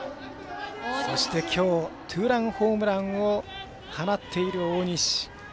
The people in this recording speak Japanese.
そして、きょうツーランホームランを放っている大西。